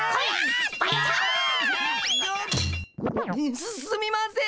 すすみません！